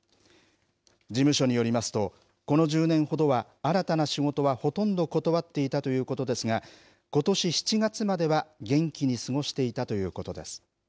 事務所によりますとこの１０年ほどは新たな仕事はほとんど断っていたということですがことし７月までは元気に過ごしていたということです。